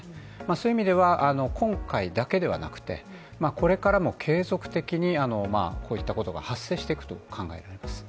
そういう意味では今回だけではなくてこれからも継続的にこういったことが発生していくと考えられます